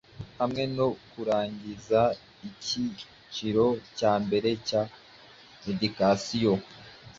Hamwe no kurangiza icyiciro cya mbere cya Educasiyo